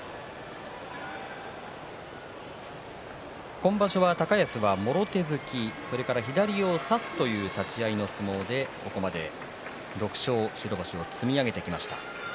今場所、高安はもろ手突きそれから左を差すという立ち合いの相撲でここまで６勝白星を積み上げてきました。